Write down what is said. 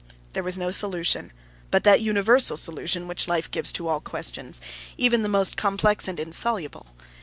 There was no solution, but that universal solution which life gives to all questions, even the most complex and insoluble.